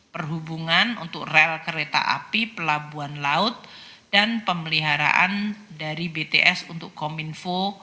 perhubungan untuk rel kereta api pelabuhan laut dan pemeliharaan dari bts untuk kominfo